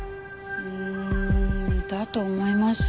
うんだと思います。